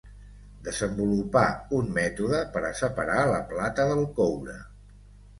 Desenvolupà un mètode per a separar la plata del coure.